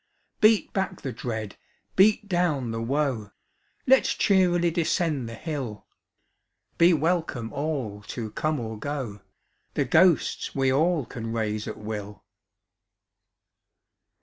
Beat back the dread, beat down the woe, LetŌĆÖs cheerily descend the hill; Be welcome all, to come or go, The ghosts we all can raise at will!